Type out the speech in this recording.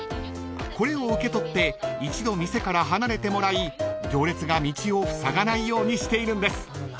［これを受け取って一度店から離れてもらい行列が道をふさがないようにしているんです］